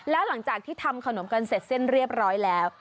แล้วหลังจากที่ทำขนมกันเสร็จสิ้นเรียบร้อยแล้ว